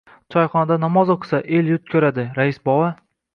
— Choyxonada namoz o‘qisa, el-yurt ko‘radi, rais bova.